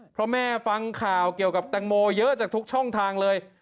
เพราะแม่ฟังข่าวเกี่ยวกับแตงโมเยอะจากทุกช่องทางเลย